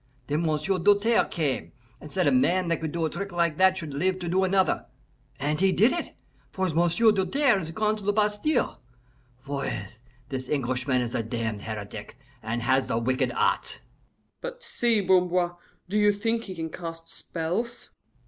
Then M'sieu' Doltaire came, and said a man that could do a trick like that should live to do another. And he did it, for M'sieu' Doltaire is gone to the Bastile. Voyez, this Englishman is a damned heretic, and has the wicked arts." "But see, Bamboir, do you think he can cast spells?"